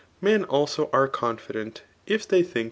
Men also are confident if diey diB^L.